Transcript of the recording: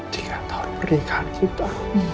tiga tahun pernikahan kita